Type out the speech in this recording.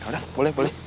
ya udah boleh boleh